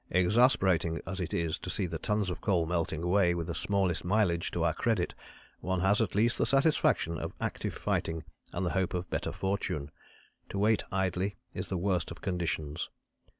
Exasperating as it is to see the tons of coal melting away with the smallest mileage to our credit, one has at least the satisfaction of active fighting and the hope of better fortune. To wait idly is the worst of conditions.